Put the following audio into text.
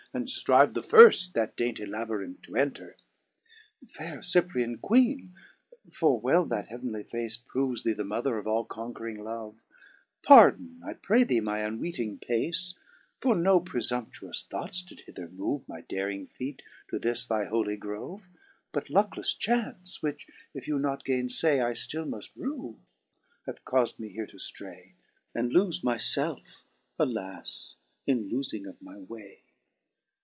And ftrive the firft that dainty labyrinth to enter. 6. " Fair Cyprian Queenc, (for well that heavenly face Prooves thee the mother of all conquering Love) Pardon, I pray thee, my unweeting pace ; For no prefumptuous thoughts did hither moove My daring feete to this thy holy grove But lucklefle chance (which, if you not gaine fay, I ftill muft rue) hath caus'd me here to ftray. And lofe my felfe (alas !) in lofing of my way.